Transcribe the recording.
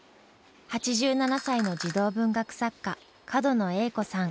８７歳の児童文学作家角野栄子さん。